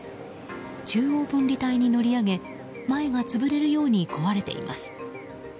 中央分離帯に乗り上げ前が潰れるように壊れています。